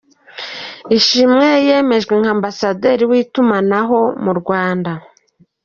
Ishimwe yemejwe nka Ambasaderi wiyumanaho mu Rwanda